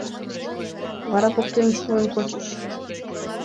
Вара поктен шуын кучыш.